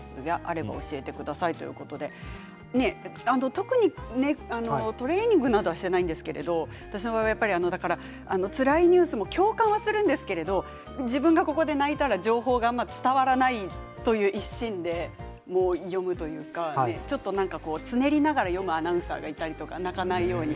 特にトレーニングなどはしていないんですけど私の場合つらいニュースも共感するんですけど自分が泣いたら情報が伝わらないという一心で読むというかつねりながら読むアナウンサーがいたり泣かないように。